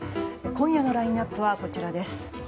今夜のラインアップはこちらです。